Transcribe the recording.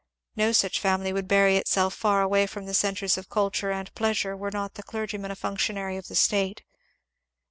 No such family would bury itself far away from centres of culture and pleasure were not the clergyman a functionary of the State.